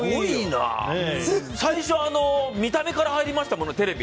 最初、見た目から入りましたもんね、テレビ。